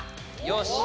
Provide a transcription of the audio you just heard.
よし！